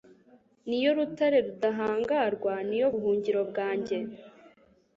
ni yo rutare rudahangarwa, ni yo buhungiro bwanjye